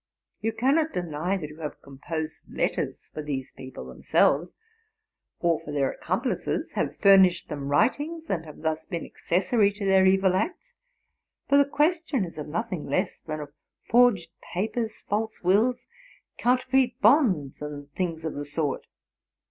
You cannot deny that you have com posed letters for these people themselves or for iheir accom plices, have furnished them writings, and have thus been accessory to their evil acts ; for the question is of nothing less than of forged papers, false wills, counterfeit bonds, and things of the sort.